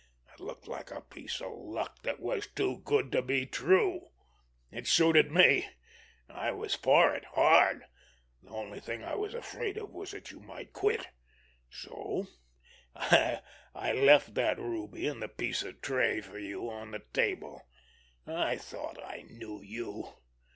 It looked like a piece of luck that was too good to be true! It suited me—I was for it hard. The only thing I was afraid of was that you might quit, so I left that ruby and the piece of tray for you on the table. I thought I knew you.